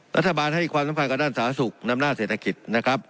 รัฐบาลให้ความสำคัญกับด้านสาธารณสุขนำหน้าเศรษฐกิจนะครับ